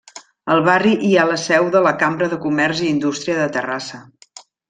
Al barri hi ha la seu de la Cambra de Comerç i Indústria de Terrassa.